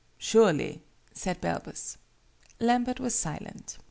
"Surely," said Balbus. Lambert was silent.